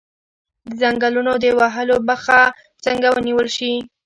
د ځنګلونو د وهلو مخه څنګه ونیول شي؟